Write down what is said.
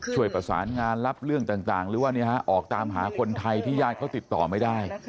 ช่วยประสานงานรับเรื่องต่างหรือว่าออกตามหาคนไทยที่ญาติเขาติดต่อไม่ได้